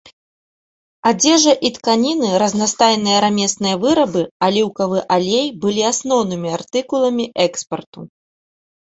Адзежа і тканіны, разнастайныя рамесныя вырабы, аліўкавы алей былі асноўнымі артыкуламі экспарту.